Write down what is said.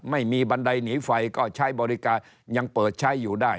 บันไดหนีไฟก็ใช้บริการยังเปิดใช้อยู่ได้